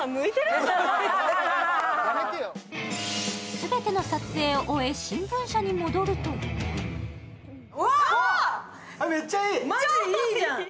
すべての撮影を終え新聞社に戻るとめっちゃいい！